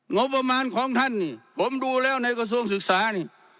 งบประมาณของท่านนี่ผมดูแล้วในกระทรวงศึกษานี่